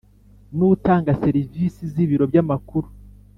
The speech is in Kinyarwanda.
n utanga serivisi z ibiro by amakuru